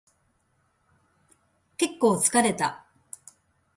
結構疲れた